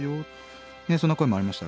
そんな声もありました。